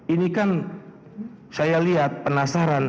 ini kan saya lihat penasaran